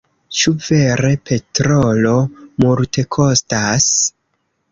Ĉu vere petrolo multekostas?